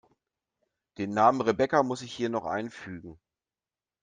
Den Namen Rebecca muss ich hier noch einfügen.